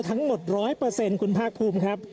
ทั้งหมดร้อยเปอร์เซ็นต์คุณภาคภูมิครับ